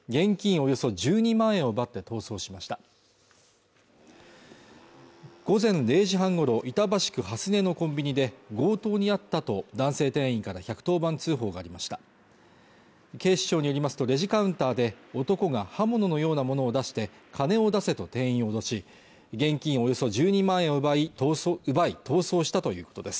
およそ１２万円を奪って逃走しました午前２時半ごろ板橋区蓮根のコンビニで強盗に遭ったと男性店員から１１０番通報がありました警視庁によりますとレジカウンターで男が刃物のようなものを出して金を出せと店員を脅し現金およそ１２万円を奪い逃走したということです